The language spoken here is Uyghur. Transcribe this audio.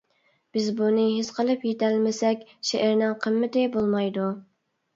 بىز بۇنى ھېس قىلىپ يېتەلمىسەك شېئىرنىڭ قىممىتى بولمايدۇ.